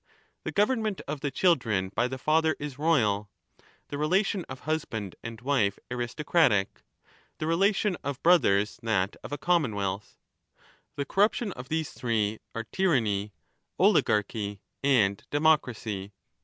The government of the children by the father is royal, the relation of husband and wife aristocratic, the relation of 30 brothers that of a commonwealth ; the corruption of these three are tyranny, oligarchy, and democracy.